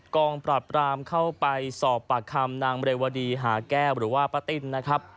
กองปราบรามเข้าไปสอบปากคำนางเรวดีหาแก้วหรือว่าป้าติ้นนะครับ